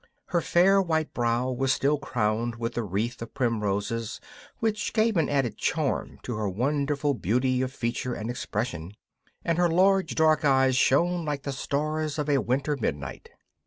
Her fair white brow was still crowned with the wreath of primroses, which gave an added charm to her wonderful beauty of feature and expression, and her large, dark eyes shone like the stars of a winter midnight.